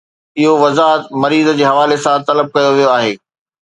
اهو وضاحت مريض جي حوالي سان طلب ڪيو ويو آهي